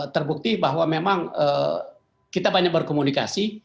terbukti bahwa memang kita banyak berkomunikasi